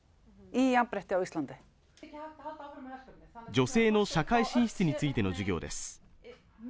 女性の社会進出についての授業です